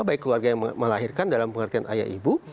baik keluarga yang melahirkan dalam pengertian ayah ibu